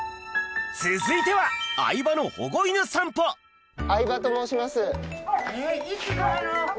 続いては相葉の保護犬散歩相葉と申します。